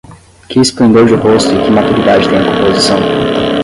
Que esplendor de rosto e que maturidade tem a composição?